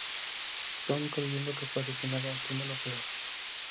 Stone, creyendo que fue asesinada, asume lo peor.